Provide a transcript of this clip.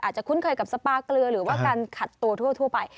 คุ้นเคยกับสปาเกลือหรือว่าการขัดตัวทั่วไป